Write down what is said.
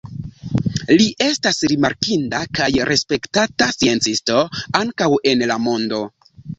Li estas rimarkinda kaj respektata sciencisto ankaŭ en la mondo.